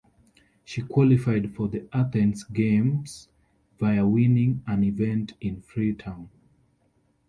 She qualified for the Athens Games via winning an event in Freetown.